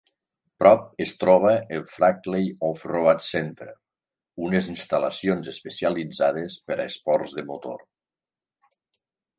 Prop es troba el "Frickley Off-road Centre", unes instal·lacions especialitzades per a esports de motor.